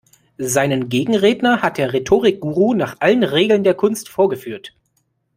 Seinen Gegenredner hat der Rhetorik-Guru nach allen Regeln der Kunst vorgeführt.